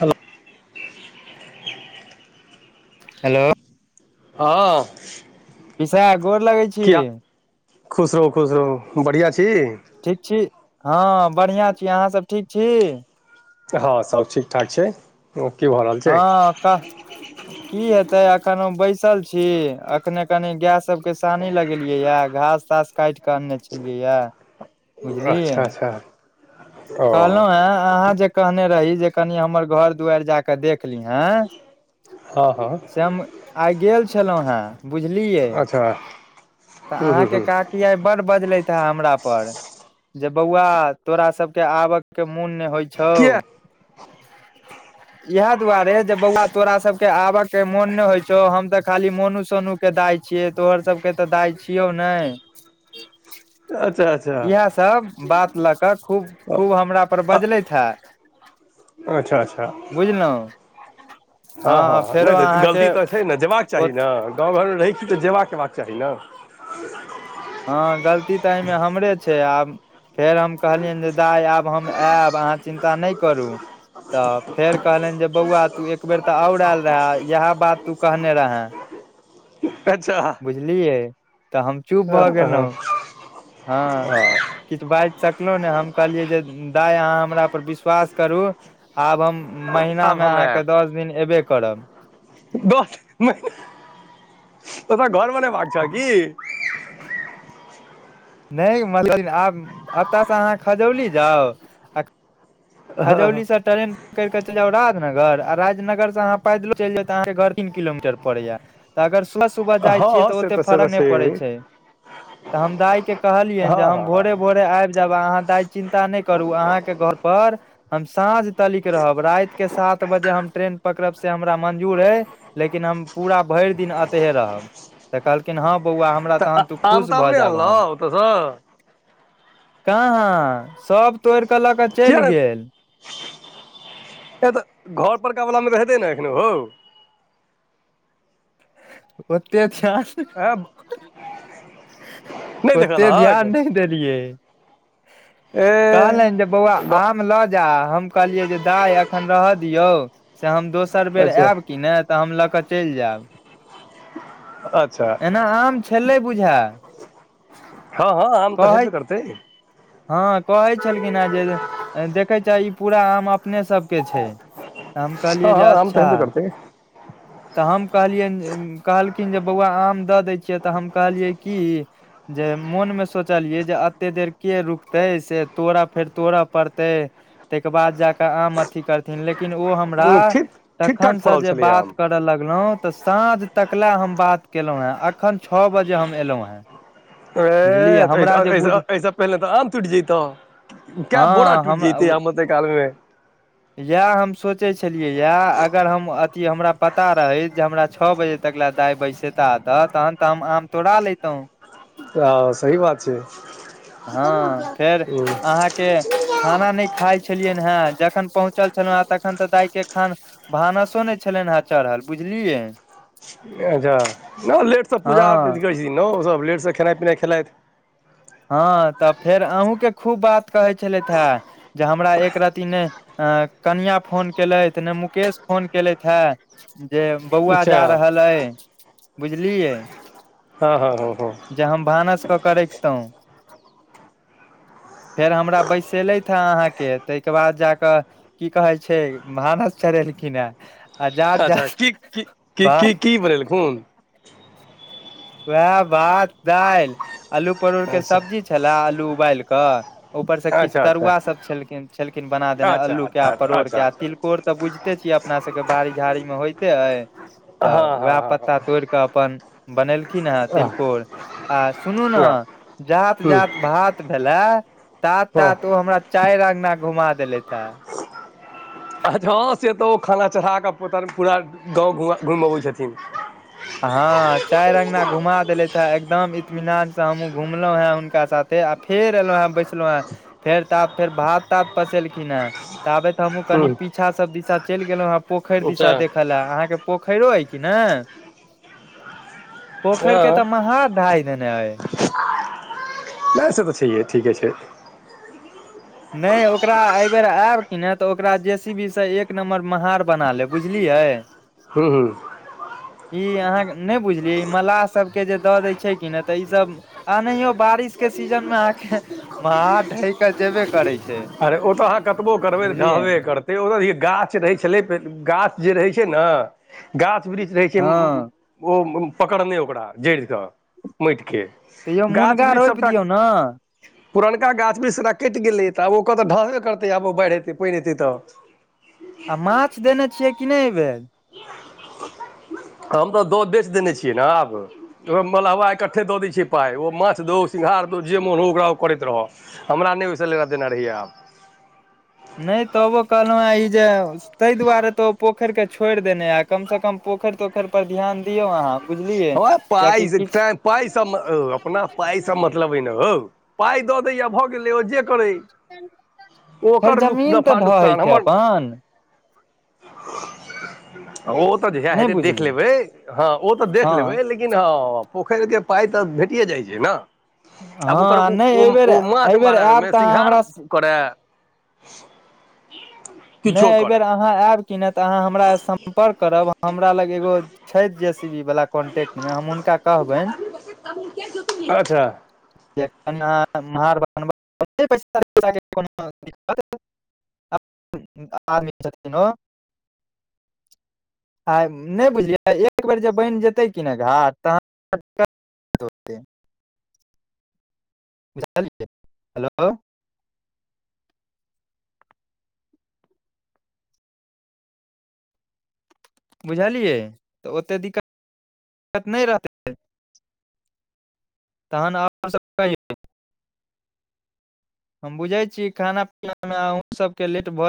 Hello. Hello हँ पीसा गोर लगै छी। की हाल खुश रहू, खुश रहु, बढ़िआ छी? ठीक छी हँ बढ़ियाॅं छी, अहाँसभ ठीक छी? ह सब ठीक ठाक छै। ओ की भऽ रहल छै हँ तह की हेतै एखन हम बैसल छी आ अखने कनी गाय सबके सानी लगेलियैयै घास तास काटि कऽ अनने छलियैयै अच्छा अच्छा ओ कहलौं एं अहाँ जे कहने रही जे कनि हमर घर दुआरि जा कऽ देख लीहैं हँ हँ से हम आइ गेल छलौंहें। बुझलियै अच्छा तऽ हूँ हूँ अहाँके हूँ काक कि आय बड़ बजलथि है हमरा पर जे बौआ तोरा सब के आबक के मोन नहि होइ छौ [inaudible] इहै दुआरे जे बौआ तोरा सब के आब के मोन नै होई छौ, हम त खाली मोनू सोनु के दाय छियै तोहर सबके तऽ दाय छियौ नै। अच्छा अच्छ इहै सभ बात लऽ कऽ खूब खूब हमरा पर बजलैथ है। अच्छा अच्छा। हँ हँ फेरो नहि तऽ अहाँके गलती तऽ छै नै जयबाक ओ चाही ने। गाँव घरमे रहै छी तऽ जेबाक एबाक चाही न [unintelligible] हँ गलती तऽ एहिमे हमरे छै आब फेर हम कहलियनि जे दाइ आब हम ऐब, अहाँ चिन्ता नहि करू। तऽ फेर कहलनि जे बौआ तू एक बेेर तऽ आओर आयल रहै इएह बात तू कहने रहें। अच्छा बुझलियै त हम चूप ह ह ह हँ किछ बाजि सकलहु नै हम कहलियए जे दाय अहाँ हमरा पर विश्वास करू आब हम आब महीनामे हम आयब अहाँके दस दिन एबे करब। दस दिन महिना ओतऽ घर बनेबाक छ की? [inaudible] नहि [unintelligible] आब एतऽसँ अहाँ खजौली जाउ आ खजौली स ट्रेन पकड़ि क चलि जाउ राजनगर आ राजनगर स अहाँ पैदलो चलि जाउ त अहांके घर तीन किलोमीटर पड़ैयै। तऽ अगर सुबह सुबह जाइ छियै हँ तऽ से ओते से तऽ फरक नहि पड़ै छै। तऽ हम दाइ के कहलियनि हँ जे हम हँ हँ भोरे भोरे आबि जायब अहाँ दाइ चिन्ता नहि करू, अहाँके घर पर हम साँझ तलिक रहब। राति के सात बजे हम ट्रेन पकड़ब से हमरा मंजूर अय लेकिन हम पूरा, भरि दिन अतहिये रहब तऽ कहलखिन हँ बौआ हम हमरा, तऽ तहन त आम खुश ताम भऽ नहि जाएब अनलहुँ हम। ओतयसँ [inaudible] काहाँ सब तोरिक लऽ कऽ किया चलि नहि गेल। ऐं तऽ घर परका बला मे तऽ हेतै ने एखनो हौ? [inaudible] ओते छन। आब [inaudible] ओते देखलहक धियान नै देलियै। [inaudible] ए कहलनि जे बौआ आम लऽ जा, हम कहलियैन जे दाइ एखन रहऽ दियौ। से हम दोसर बेर अच्छा आएब कि ने तऽ हम लऽ कऽ चलि जाएब। [unintelligible] एना आम छलै बुझाएल। [inaudible] हं-हं आम तऽ हेबे करतै। हँ कहै छलखिन हें जे देखै छें ई पूरा आम अपने सबके छै। त हम कहलियै हँ जे हँ आम तऽ अच्छा, हेबे करतै [inaudible] त हम कहलिअनि [unintelligible] जे कहलखिन जे बौआ आम द दै छियह त हम कहलियै की जे मोनमे सोचलियै जे एते देर के रुकतै, से तोरअ फेर तोरअ परतै तैके बाद जाक आम अथी कर थिन लेकिन ओ हमरा ठीक ठीक ठाक तखन से फड़ल जे छलैए बात आम कर लगलौं त स साँझ तक ले हम बात केलहुहें, अखन छ बजे हम एलौं हें। त ऐह, त ऐ स, ऐ स, ऐस पहिले त आम टुटि जैतह। कै बोरा हँ टुटि हम जैतै आम एते कालमे। इएह हम सोचै छलियैया, अगर हम अथी हमरा पता रहैत जे हमरा छ बजे तक ला दाय बैसेता अत, तहन त हम आम तोरा लैतहुं। त सही बात छै। हं फेर अहाँके खाना नै खाइ छलिअनि हें, जखन पहुँचल छलहुंहें तखन त दाइके खान भानसो नै छलनिहें चढ़ल, बुझलियै? ऐह जा, नै ओ लेट सं हँ पूजा आओर अथी करै छथिन ने ओ सब। लेट सं खेनाइ पिनाइ खेलैथ। हं त फेर अहुंके खूब बात कहै छलैथे। जे हमरा एक रती ने कनियां फोन केलथि, ने मुकेश फोन केलथि हे। जे बौआ अच्छा जा रहल अइ, बुझलियै? हं-हं-हं-हं जे हम भानस क क रखितौं। फेर हमरा बैसेलैथ हें अहाँके, तैहके बाद जा क की कहै छै भानस चढ़ेलखिनहें आ जा अच्छा जात की की [inaudible] की भा की की बनेलखुन? वैह भात दालि, आलू परोर के अच्छा सब्जी छला आलू उबालि क ऊपर सं किछ अच्छा अच्छा तरुआ सब छलखिन, छलखिन बना देने अच्छा अल्लूके आ अच्छा परोड़के अच्छा आ अच्छा तिलकोर त बुझिते छियै, अपना सबके बाड़ी झाड़ीमे होइते ऐ। हँ त हँ वैह हँ हँ पत्ता तोरिक अपन बनेल कि न है हँ तिलकोर आ सुनू न जात जात भात भेलै तात हँ तात ओ हमरा चारि अंगना घुमा देलैथ है। आछ हॅं से त ओ खाना चढ़ाकऽ पूतर पूरा गाँव घुमा घुमि अबै छथिन। हँ चारि अंगना घुमा देलैथ ए एकदम इतमिनान से हमहूँ घुमलहु हैं हुनका साथे आ फेर एलौं हैं बैसलौं हैं, फेर ताब फेर भात तात पसेलखिन हैं ताबैत हमहूँ कनी हूँ पीछा सब दिशा चलि गेलहुँ हैं पोखरि अच्छा दिशा देखय लए अहाँके पोखैरो अइ कि ने पोखरि के हँ तऽ महार ढाहि देने अइ। नहि से तऽ छैहे, ठीके छै। नहि ओकरा अयबेर ऐब कि ने तऽ ओकरा जेसीबी स एक नम्बर महार बना लेब। बुझलियै। हूँ हूँ ई अहाँक नहि बुझलिये ई मलाह सब के जे द देय छै कि नै त ई सब अनहियो बारिश के सीजन मे अहाँके महार ढहि त जेबे करै छै। अरे ओ तऽ अहाँ कतबो करबै तऽ बुझलियै ढहबे कर तै ओत गाछ रहै छलै गाछ जे रहै छै न गाछ वृक्ष रहै छै हँ मम्म्म ओ पकड़ने ओकरा जड़िस माटिके त यौ गाछ मुनगा वृक्ष रोपि सभटा दियौ न। पुरनका गाछ वृक्ष सबटा कटि गेलै तऽ आब ओकतऽ ढहबे करतै आब ओ बाढ़ि ऐते पानि एतै तऽ आ माछ देने छियै कि नहि एहि बेर? हम तऽ द बेच देने छियै ने आब। ओ मलहवा इकट्ठे दऽ दै छै पाइ ओ माछ दौ सिंघार दौ जे मोन होउ ओकरा ओ करैत रहऽ। हमरा नहि ओहिस लेना देना रहैयै आब। नहि तबो कहलहुं है इ जे तैय दुआरे तऽ ओ पोखरिके छोड़ि देने ए, कमस कम पोखरि तोखरि पर ध्यान दियौ अहाँ। बुझलियै हमरा त पाइ कियकि स किछु तें पाइ स म अपना पाइ स मतलब ऐ ने हौ। पाइ दऽ दैये भऽ गेलै ओ जे करै ओ फेर ओकर जमीन तऽ नफा ढहै नुकसान छै हम्मर अपन ओ तऽ जहिया नहि हेतै देख बुझलियै लेबै, हँ ओ तऽ देख हँ लेबै लेकिन हँ पोखरि के पाइ तऽ भेटिेये जाइ छै न। आब ओकर हँ आ उ, नहि एहिबेर ओ माछ एहिबेर मारय आयब ओहिमे तऽ अहाँ सिंघार हमरा करै नहि एहिबेर अहाँ ऐब कि ने तऽ अहाँ हमरा स सम्पर्क करब हमरा लग एगो छथि जे सी बी बला कॉन्टैक्टमे हम हुनका कहबनि अच्छा जखन अहां महार बनबै न [unintelligible] आदमी छथिन ओ आ नहि बुझलियै एक बेर जे बनि जेतै कि ने घाट तहन [unintelligible] हेलो बुझलियै तऽ ओतेक दिक्कत नहि रहतै। तहन अहां सब ठीक? हम बुझै छी खाना पीना मे अहुं सब के लेट भए